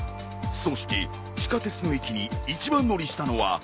そして地下鉄の駅に一番乗りしたのは。